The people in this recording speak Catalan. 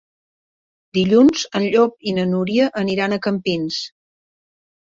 Dilluns en Llop i na Núria aniran a Campins.